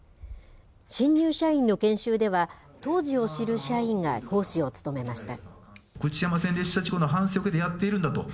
新入社員の研修では、当時を知る社員が講師を務めました。